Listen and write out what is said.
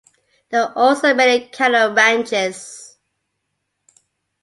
There are also many cattle ranches.